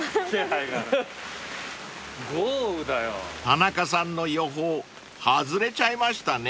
［田中さんの予報外れちゃいましたね］